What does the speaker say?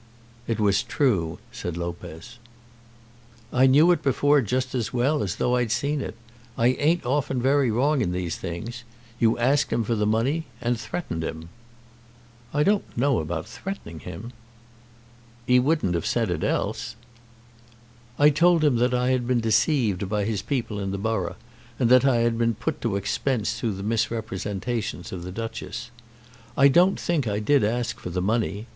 "It was true," said Lopez. "I knew it before just as well as though I had seen it. I ain't often very wrong in these things. You asked him for the money, and threatened him." "I don't know about threatening him." "'E wouldn't have sent it else." "I told him that I had been deceived by his people in the borough, and that I had been put to expense through the misrepresentations of the Duchess. I don't think I did ask for the money.